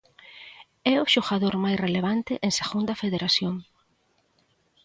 É o xogador máis relevante en Segunda Federación.